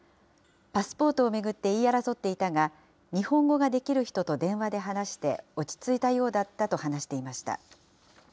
パスポートを巡って言い争っていたが、日本語ができる人と電話で話して、落ち着いたようだったと話していました。